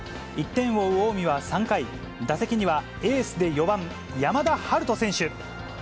１点を追う近江は３回、打席には、エースで４番山田陽翔選手。